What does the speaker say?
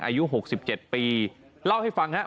อายุ๖๗ปีเล่าให้ฟังครับ